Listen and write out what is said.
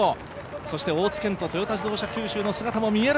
そして大津顕杜、トヨタ自動車九州の姿も見える。